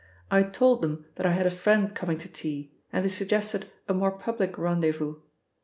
I told them that I had a friend coming to tea, and they suggested a more public rendezvous.